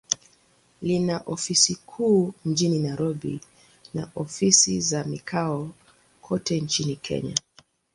Lina ofisi kuu mjini Nairobi, na ofisi za mikoa kote nchini Kenya.